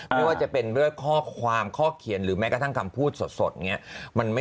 ไม่ว่าจะเป็นเรื่องข้อความข้อเขียนหรือแม้กระทั่งคำพูดสดอย่างนี้